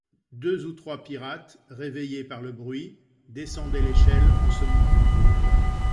Deux ou trois pirates, réveillés par le bruit, descendaient l’échelle en ce moment